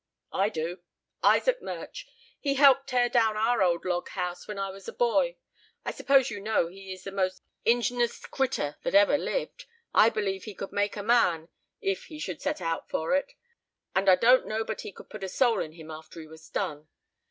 "I do. Isaac Murch; he helped tear down our old log house, when I was a boy. I suppose you know he is the most ing'nious critter that ever lived. I believe he could make a man, if he should set out for it; and I don't know but he could put a soul in him after he was done.